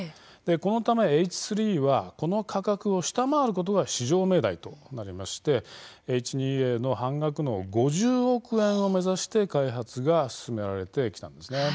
このためＨ３はこの価格を下回ることが至上命題となりましてＨ２Ａの半額の５０億円を目指して開発が進められてきたんです。